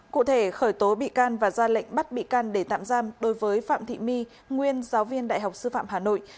cụ thể khởi tố bị can và ra lệnh bắt bị can để tạm giam đối với phạm thị my nguyên giáo viên đại học sư phạm hà nội